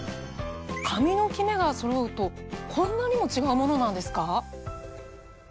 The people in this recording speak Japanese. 髪のキメがそろうとこんなにも違うものなんですか？